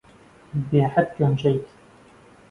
بێحەد گەمژەیت.